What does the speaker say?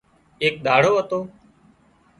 اي ۮياۯو هتو